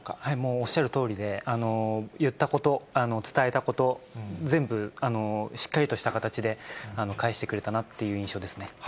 おっしゃるとおりで、言ったこと、伝えたこと、全部、しっかりとした形で返してくれたなっていう印象ですね。